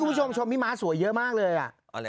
พรุ่งนี้มานะครับ